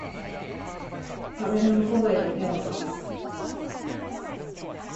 壁の向こうへと手を伸ばす